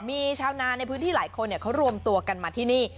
มีชาวนาในพื้นที่หลายคนเขารวมตัวกันมาที่นี่